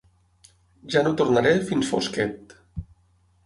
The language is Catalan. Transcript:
Ja no tornaré fins fosquet.